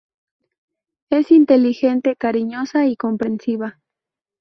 Es inteligente, cariñosa y comprensiva.